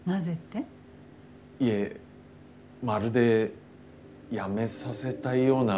いえまるで辞めさせたいような。